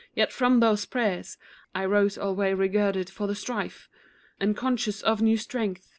Yet from those prayers I rose alway regirded for the strife And conscious of new strength.